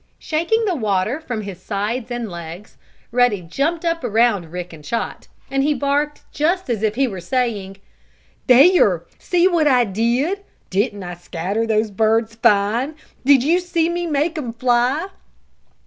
Shaking the water from his sides and legs, Ruddy jumped up around Rick and Chot, and he barked just as if he were saying: "There! See what I did! Didn't I scatter those birds fine? Did you see me make 'em fly!"